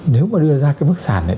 nếu mà đưa ra cái mức giá này